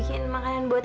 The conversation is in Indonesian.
aku gak mau berubah